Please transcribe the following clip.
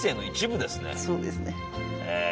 そうですねへえ